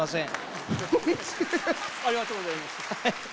ありがとうございます。